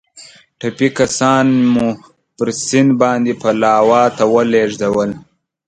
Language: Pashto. ټپي کسان مو پر سیند باندې پلاوا ته ولېږدول.